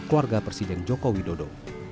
keluarga presiden jokowi dodo